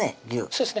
そうです